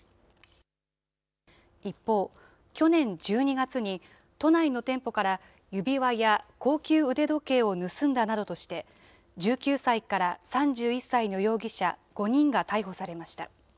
一方、去年１２月に都内の店舗から指輪や高級腕時計を盗んだなどとして、１９歳から３１歳の容疑者５人が逮捕されました。